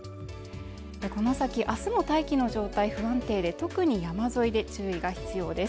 この先あすも大気の状態不安定で特に山沿いで注意が必要です